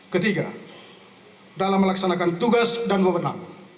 k dalam melaksanakan tugas dan gubernur